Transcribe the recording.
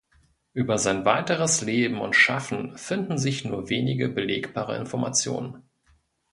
Über sein weiteres Leben und Schaffen finden sich nur wenige belegbare Informationen.